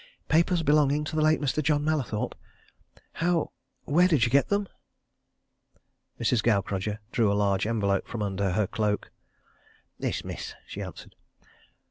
"Papers belonging to the late Mr. John Mallathorpe? How where did you get them?" Mrs. Gaukrodger drew a large envelope from under her cloak. "This, miss," she answered.